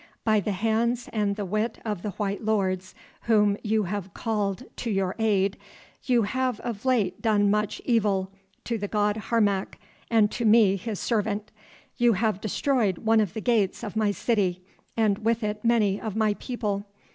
'By the hands and the wit of the white lords whom you have called to your aid, you have of late done much evil to the god Harmac and to me his servant. You have destroyed one of the gates of my city, and with it many of my people.